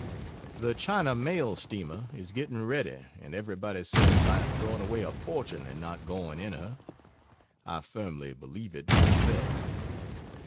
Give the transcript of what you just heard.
The China Mail Steamer is getting ready and everybody says I am throwing away a fortune in not going in her. I firmly believe it myself.